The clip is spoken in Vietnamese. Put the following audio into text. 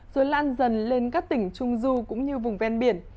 rồi lan dần lên các tỉnh trung du cũng như vùng ven biển